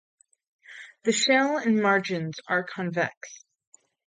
The shell and margins are convex.